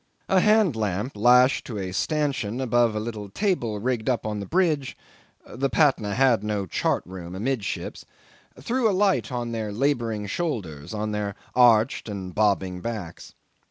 A hand lamp lashed to a stanchion above a little table rigged up on the bridge the Patna had no chart room amidships threw a light on their labouring shoulders, on their arched and bobbing backs.